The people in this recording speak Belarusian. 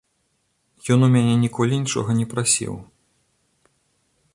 Ён у мяне ніколі нічога не прасіў!